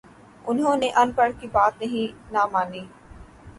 انہوں نے اَن پڑھ کی بات نہ مانی